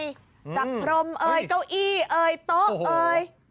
จากพรมเอ่ยเก้าอี้เอ่ยโต๊ะเอ่ย